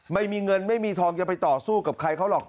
ไม่มีเงินไม่มีทองจะไปต่อสู้กับใครเขาหรอก